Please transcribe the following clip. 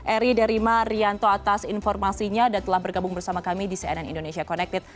eri derima rianto atas informasinya dan telah bergabung bersama kami di cnn indonesia connected